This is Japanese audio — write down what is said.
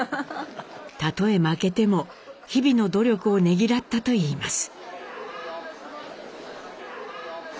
たとえ負けても日々の努力をねぎらったといいます。